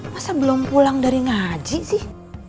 masa belum pulang dari ngaji sih